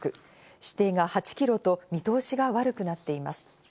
視程が８キロと見通しが悪くなっています。